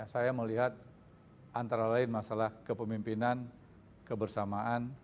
saya melihat antara lain masalah kepemimpinan kebersamaan